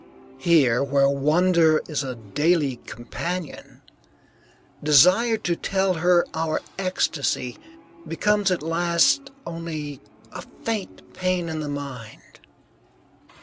Here, where wonder is a daily companion, desire to tell her our ecstasy becomes at last only a faint pain in the mind.